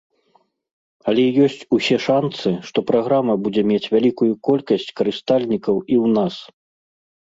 Але ёсць усе шанцы, што праграма будзе мець вялікую колькасць карыстальнікаў і ў нас.